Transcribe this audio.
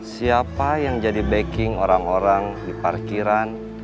siapa yang jadi backing orang orang di parkiran